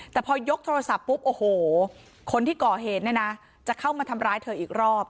แต่พอยกโทรศัพท์ปุ๊บโอ้โหคนที่ก่อเหตุเนี่ยนะจะเข้ามาทำร้ายเธออีกรอบ